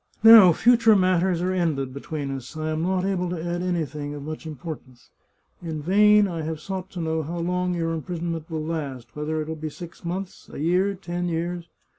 " Now future matters are ended between us ; I am not able to add anything of much importance. In vain I have sought to know how long your imprisonment will last — whether it will be six months, a year, ten years.